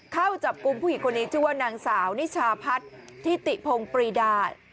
เข้าจับกลุ่มผู้หญิงคนนี้ชื่อว่านางสาวนิชาพัฒน์ทิติพงปรีดา